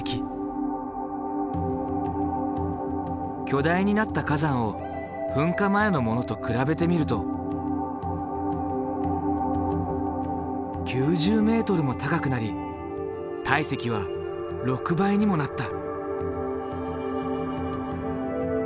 巨大になった火山を噴火前のものと比べてみると９０ｍも高くなり体積は６倍にもなった。